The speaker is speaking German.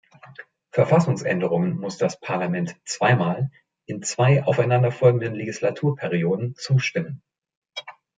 Verfassungsänderungen muss das Parlament zweimal, in zwei aufeinander folgenden Legislaturperioden, zustimmen.